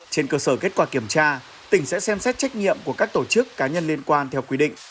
trên cơ sở kết quả kiểm tra tỉnh sẽ xem xét trách nhiệm của các tổ chức cá nhân liên quan theo quy định